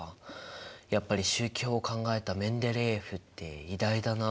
やっぱり周期表を考えたメンデレーエフって偉大だなあ。